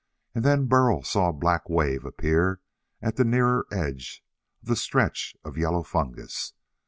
And then Burl saw a black wave appear at the nearer edge of the stretch of yellow fungus.